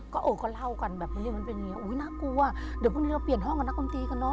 ก็โอ้ก็เล่ากันแบบเนี้ยมันเป็นอย่างเงี้อุ้ยน่ากลัวเดี๋ยวพรุ่งนี้เราเปลี่ยนห้องกับนักดนตรีกันเนอ